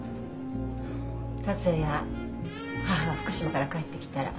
達也や義母が福島から帰ってきたら。